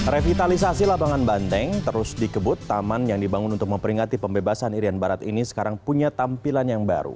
revitalisasi lapangan banteng terus dikebut taman yang dibangun untuk memperingati pembebasan irian barat ini sekarang punya tampilan yang baru